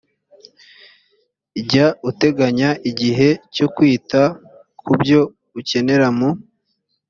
jya uteganya igihe cyo kwita ku byo ukenera mu